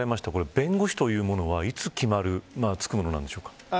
弁護士というものは、いつつくものなんでしょうか。